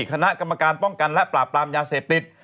คณะกรรมการป้องกันและปราบปรามยาเสพติด